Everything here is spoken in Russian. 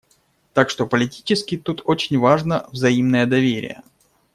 Так что политически тут очень важно взаимное доверие.